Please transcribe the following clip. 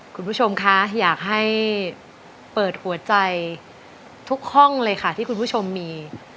คุณผู้ชมคะอยากให้เปิดหัวใจทุกห้องเลยค่ะที่คุณผู้ชมมี